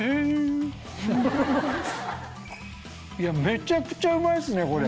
めちゃくちゃうまいっすねこれ！